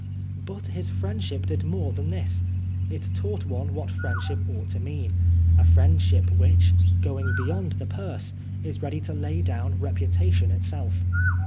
But his friendship did more than this. It taught one what friendship ought to mean, a friendship which, going beyond the purse, is ready to lay down reputation itself.